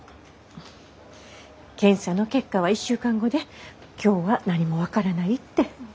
検査の結果は１週間後で今日は何も分からないって。